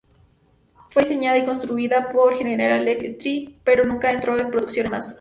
Fue diseñada y construida por General Electric, pero nunca entró en producción en masa.